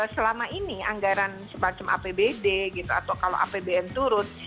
selama ini anggaran semacam apbd gitu atau kalau apbn turun